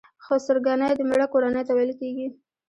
خسرګنۍ د مېړه کورنۍ ته ويل کيږي.